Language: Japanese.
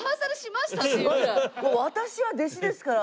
私は弟子ですから。